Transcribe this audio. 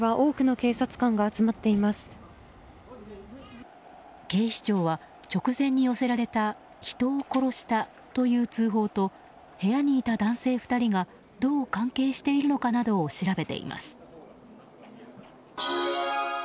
警視庁は、直前に寄せられた人を殺したという通報と部屋にいた男性２人がどう関係しているのかなどを調べています。